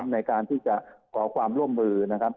ในการที่จะขอความร่วมมือนะครับ